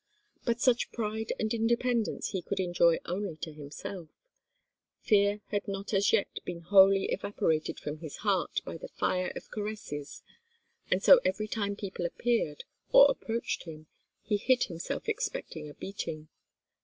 But such pride and independence he could enjoy only to himself. Fear had not as yet been wholly evaporated from his heart by the fire of caresses, and so every time people appeared, or approached him, he hid himself expecting a beating.